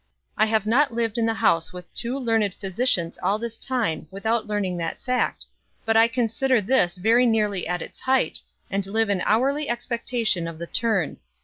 I have not lived in the house with two learned physicians all this time without learning that fact, but I consider this very nearly at its height, and live in hourly expectation of the 'turn.'